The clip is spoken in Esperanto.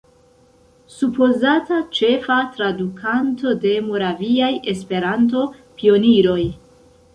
Supozata ĉefa tradukanto de Moraviaj Esperanto-Pioniroj.